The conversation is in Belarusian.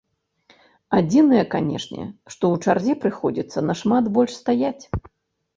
Адзінае, канешне, што ў чарзе прыходзіцца нашмат больш стаяць.